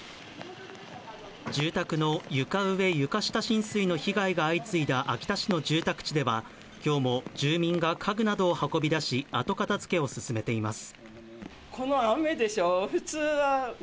住宅の床上、床下浸水の被害が相次いだ秋田市の住宅地では、きょうも住民が家具などを運び出し、後片付けを進めています。